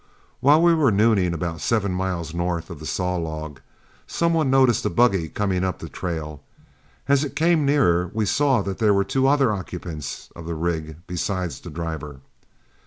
While we were nooning about seven miles north of the Saw Log, some one noticed a buggy coming up the trail. As it came nearer we saw that there were two other occupants of the rig besides the driver.